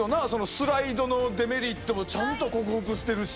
スライドのデメリットもちゃんと克服してるし。